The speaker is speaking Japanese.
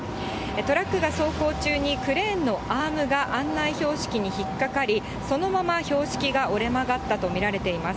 トラックが走行中にクレーンのアームが案内標識に引っ掛かり、そのまま標識が折れ曲がったと見られています。